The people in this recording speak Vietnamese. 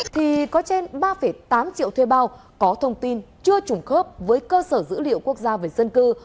thì có trên ba tám triệu thuê bao có thông tin chưa trùng khớp với cơ sở dữ liệu quốc gia về dân cư